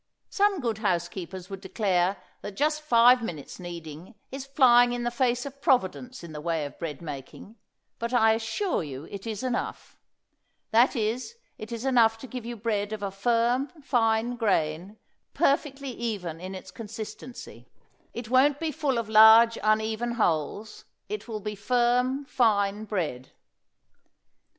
Some good housekeepers would declare that just five minutes' kneading is flying in the face of Providence in the way of bread making, but I assure you it is enough. That is, it is enough to give you bread of a firm, fine grain, perfectly even in its consistency. It won't be full of large, uneven holes; it will be firm, fine bread.